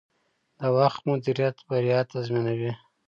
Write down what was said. د وخت مدیریت بریا تضمینوي.